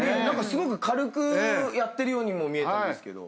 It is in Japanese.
すごく軽くやってるようにも見えたんですけど。